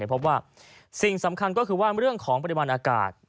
พบว่าสิ่งสำคัญก็คือว่าเรื่องของปริมาณอากาศ